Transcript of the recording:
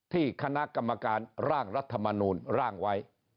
ที่คณะกรรมการร่างรัฐมนูลร่างไว้